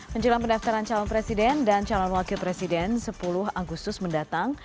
menjelang pendaftaran calon presiden dan calon wakil presiden sepuluh agustus mendatang